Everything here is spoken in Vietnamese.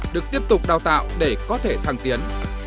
được tiếp tục đào tạo để có thể thăng tiến